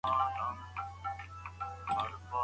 تاریخي څېړنه د تېر وخت انځور وړاندي کوي.